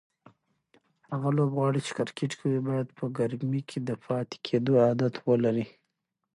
هغه لوبغاړي چې کرکټ کوي باید په ګرمۍ کې د پاتې کېدو عادت ولري.